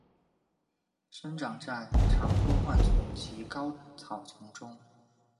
生长在山坡灌丛及高草丛中。